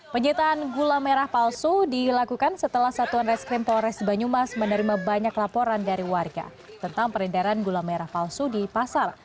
penyitaan gula merah palsu dilakukan setelah satuan reskrim polres banyumas menerima banyak laporan dari warga tentang peredaran gula merah palsu di pasar